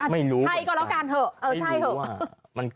ไม่รู้ค่ะ